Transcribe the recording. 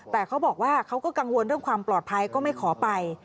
แต่เขาบอกว่าเขาก็กังวลเรื่องความปลอดภัยก็ไม่ขอไป